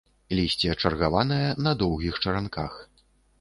Лісце чаргаванае, на доўгіх чаранках.